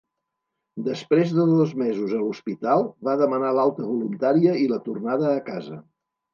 Després de dos mesos a l'hospital, va demanar l'alta voluntària i la tornada a casa.